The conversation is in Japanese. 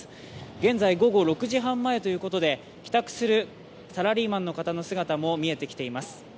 現在、午後６時半ということで帰宅するサラリーマンの方も見えています。